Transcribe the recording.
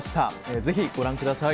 ぜひご覧ください。